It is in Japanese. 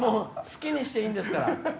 好きにしていいんですから。